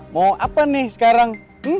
mau apa nih sekarang